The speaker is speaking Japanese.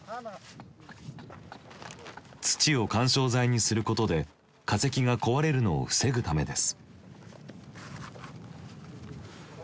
土を緩衝材にすることで化石が壊れるのを防ぐためです。